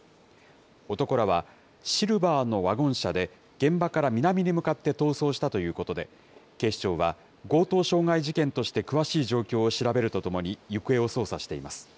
男らはシルバーのワゴン車で、現場から南に向かって逃走したということで、警視庁は強盗傷害事件として詳しい状況を調べるとともに、行方を捜査しています。